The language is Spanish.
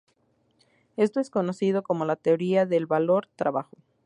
Esto es conocido como la teoría del valor-trabajo.